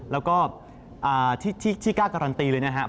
แล้วก็ที่กล้าการันตีเลยนะครับ